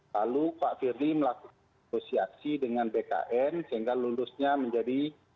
lalu pak firly melakukan sosialisasi dengan bkn sehingga lulusnya menjadi